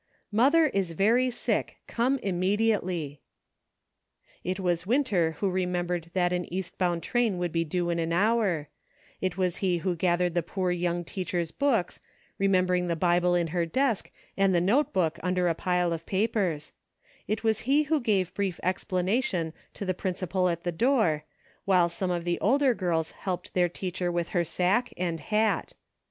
" Mother is very sick ; come immediately." It was Winter who remembered that an East bound train would be due in an hour ; it was he who gathered the poor young teacher's books, re membering the Bible in her desk and the note book under a pile of papers ; it was he who gave brief explanation to the principal at the door, while some of the older girls helped their teacher with her sack and hat.